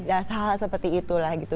asal seperti itulah gitu